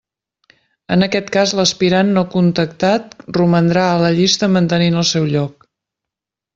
En aquest cas l'aspirant no contactat romandrà a la llista mantenint el seu lloc.